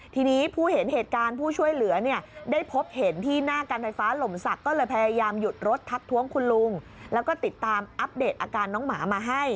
ทีนี้ผู้เห็นเหตุการณ์ผู้ช่วยเหลือเนี่ยได้พบเห็นที่หน้าการไฟฟ้าหล่มศักดิ์ก็เลยพยายามหยุดรถทักท้วงคุณลุงแล้วก็ติดตามอัปเดตอาการน้องหมามาให้